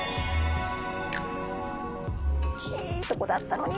いいとこだったのに！